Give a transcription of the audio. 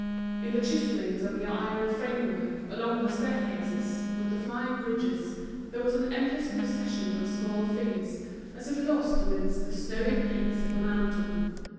In the chisellings of the iron framework, along the staircases, on the flying bridges, there was an endless procession of small figures, as if lost amidst the snowy peaks of a mountain.